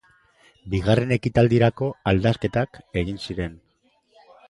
Bigarren ekitaldirako aldaketak egin ziren.